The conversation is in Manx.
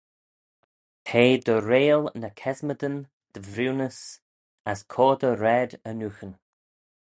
T'eh dy reayll ny kesmadyn dy vriwnys as coadey raad e nooghyn.